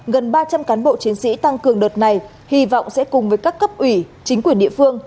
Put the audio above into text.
gần ba trăm linh cán bộ chiến sĩ tăng cường đợt này hy vọng sẽ cùng với các cấp ủy chính quyền địa phương